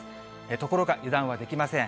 ところが油断はできません。